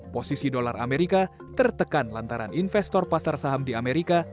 posisi dolar amerika tertekan lantaran investor pasar saham di amerika